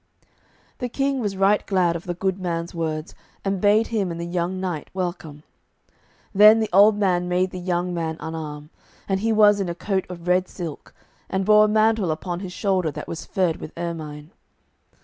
The King was right glad of the good man's words, and bade him and the young knight welcome. Then the old man made the young man unarm; and he was in a coat of red silk, and bore a mantle upon his shoulder that was furred with ermine.